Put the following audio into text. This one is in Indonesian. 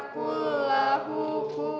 pembicara kiedy kilim pembesaran